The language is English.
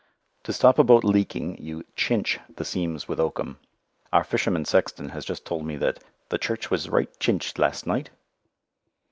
To stop a boat leaking you "chinch" the seams with oakum. Our fisherman sexton has just told me that "the church was right chinched last night."